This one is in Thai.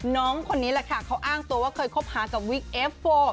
น้องคนนี้แหละค่ะเขาอ้างตัวว่าเคยคบหากับวิกเอฟโฟ